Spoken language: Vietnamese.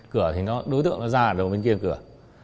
cửa thì đối tượng nó ra đầu bên kia cửa